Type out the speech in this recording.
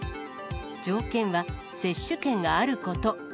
条件は接種券があること。